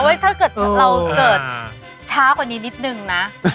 ถ้าเกิดเราเกิดช้ากว่านี้นิดนึงนะ